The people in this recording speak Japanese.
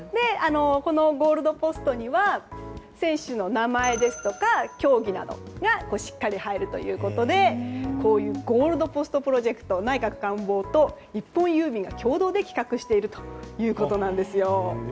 このゴールドポストには選手の名前ですとか競技などがしっかり入るということでこういうゴールドポストプロジェクト内閣官房と日本郵便が共同で企画しているということです。